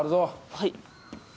はい。